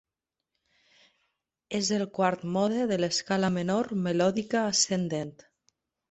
És el quart mode de l'escala menor melòdica ascendent.